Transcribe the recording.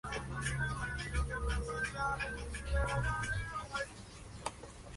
Florece en agosto y septiembre.